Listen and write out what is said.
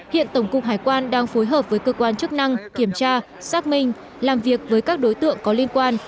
hiện tổng cục hải quan đang phối hợp với cơ quan chức năng kiểm tra xác minh làm việc với các đối tượng có liên quan